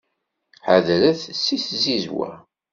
Ḥadret seg tzizwa.